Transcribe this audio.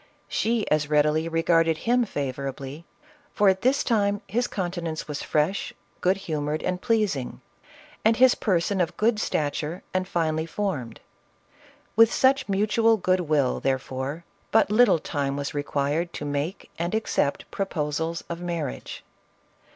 She as readily regarded him favorably, for at this time his countenance was fresh, good humored and pleasing, and his person of good stature and finely formed. With such mutual good will, therefore, but little time was required to make and accept proposals of marriage.